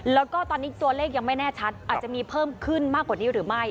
แล้วก็ตอนนี้ตัวเลขยังไม่แน่ชัดอาจจะมีเพิ่มขึ้นมากกว่านี้หรือไม่